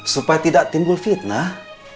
supaya tidak timbul fitnah